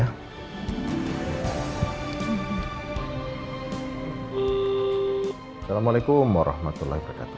assalamualaikum warahmatullahi wabarakatuh